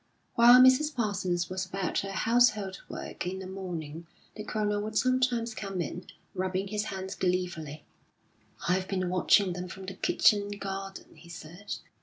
While Mrs. Parsons was about her household work in the morning, the Colonel would sometimes come in, rubbing his hands gleefully. "I've been watching them from the kitchen garden," he said.